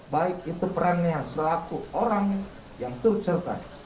baik itu perannya selaku orang yang turut serta